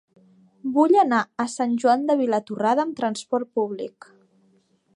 Vull anar a Sant Joan de Vilatorrada amb trasport públic.